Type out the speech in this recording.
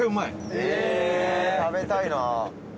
千賀：食べたいな。